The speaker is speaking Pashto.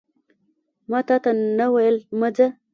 ماتاته نه ویل مه ځه